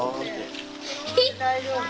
大丈夫？